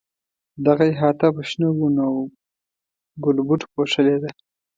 دغه احاطه په شنو ونو او ګلبوټو پوښلې ده.